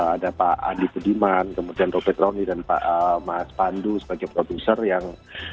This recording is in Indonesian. ada pak andi budiman kemudian robert rony dan mas pandu sebagai produser yang